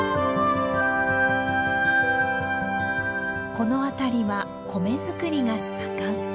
この辺りは米作りが盛ん。